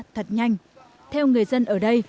thật nhanh theo người dân ở đây